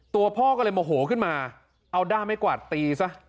ตัวพ่อก็เลยโมโหขึ้นมาเอาด้ามไม่กวาดตีซะ